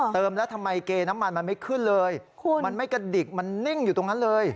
เติมแล้วทำไมเกรน้ำมันมันไม่ขึ้นเลย